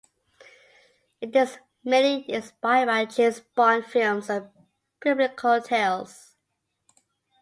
It is mainly inspired by James Bond films and biblical tales.